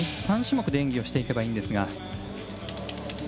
３種目で演技をしていけばいいんですが。